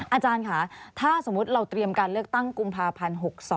อาจารย์ค่ะถ้าสมมุติเราเตรียมการเลือกตั้งกุมภาพันธ์๖๒